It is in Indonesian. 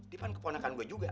dia kan keponakan gua juga